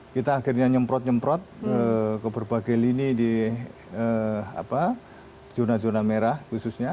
kita akhirnya nyemprot nyemprot ke berbagai lini di zona zona merah khususnya